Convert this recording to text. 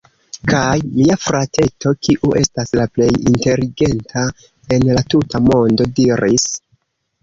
Kaj mia frateto, kiu estas la plej inteligenta en la tuta mondo, diris: